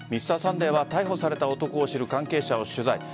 「Ｍｒ．サンデー」は逮捕された男を知る関係者を取材。